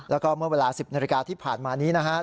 แล้วก็เมื่อเวลา๑๐นาฬิกาที่ผ่านมานี้นะครับ